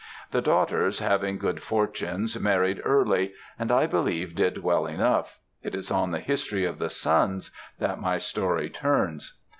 The daughters having good fortunes married early, and I believe did well enough; it is on the history of the sons that my story turns.